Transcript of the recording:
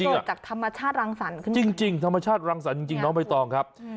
เกิดจากธรรมชาติรังสรรค์ขึ้นจริงธรรมชาติรังสรรค์จริงน้องใบตองครับ